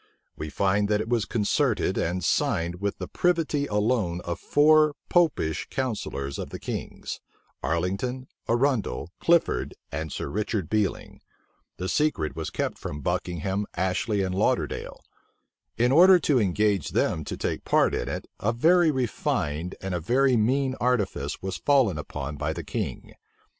We find that it was concerted and signed with the privity alone of four Popish counsellors of the king's; Arlington, Arundel, Clifford, and Sir Richard Bealing. The secret was kept from Buckingham, Ashley, and Lauderdale. In order to engage them to take part in it, a very refined and a very mean artifice was fallen upon by the king.